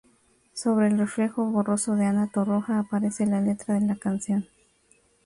Sobre el reflejo borroso de Ana Torroja aparece la letra de la canción.